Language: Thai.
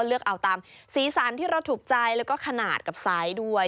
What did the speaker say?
ดูแลตามสีสันที่ถูกใจและขนาดกับไซส์ด้วย